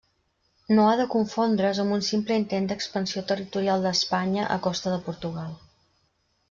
No ha de confondre's amb un simple intent d'expansió territorial d'Espanya a costa de Portugal.